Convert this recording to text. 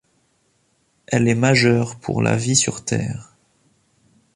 Elle est majeure pour la vie sur terre.